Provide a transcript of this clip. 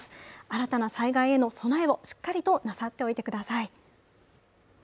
新たな災害への備えをしっかりとなさっておいてください。